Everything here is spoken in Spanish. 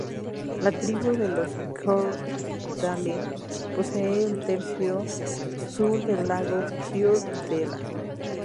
La tribu de los coeur d'Alene posee el tercio sur del lago Coeur d'Alene.